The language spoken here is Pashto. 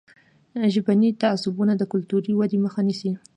ژبني تعصبونه د کلتوري ودې مخه نیسي.